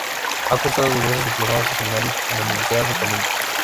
Ha cursado diversos diplomados y seminarios en la Universidad de Colima.